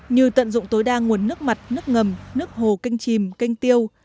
như tận dụng tối đa nguồn nước mặt nước ngầm nước hồ canh chìm canh tiêu